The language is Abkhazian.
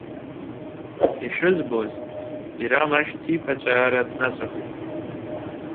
Ишызбоз, Бирам ашә ҭиқәаҵәаара днаҵәахит.